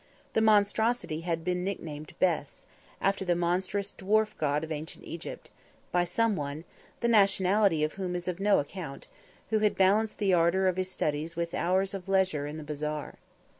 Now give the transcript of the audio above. The monstrosity had been nicknamed "Bes," after the monstrous dwarf god of Ancient Egypt, by someone the nationality of whom is of no account who had balanced the ardour of his studies with hours of leisure in the bazaar.